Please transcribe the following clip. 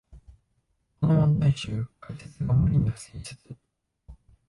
この問題集、解説があまりに不親切